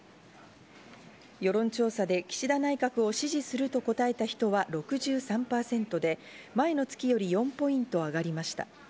世論調査で岸田内閣を支持すると答えた人は６３％で、前の月より４ポイント上がりました。